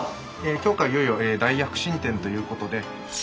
今日からいよいよ大躍進展ということで。